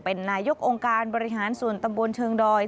เป็นนายกองค์การบริหารส่วนตำบลเชิงดอย